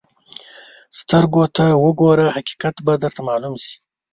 سترګو ته وګوره، حقیقت به درته معلوم شي.